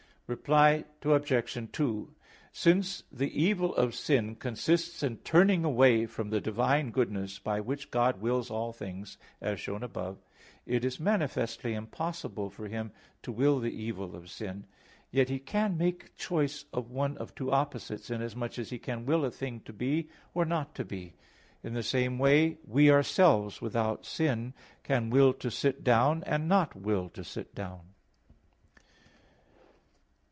Reply Obj. 2: Since the evil of sin consists in turning away from the divine goodness, by which God wills all things, as above shown, it is manifestly impossible for Him to will the evil of sin; yet He can make choice of one of two opposites, inasmuch as He can will a thing to be, or not to be. In the same way we ourselves, without sin, can will to sit down, and not will to sit down.